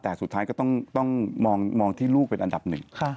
แต่สุดท้ายก็ต้องมองที่ลูกเป็นอันดับหนึ่ง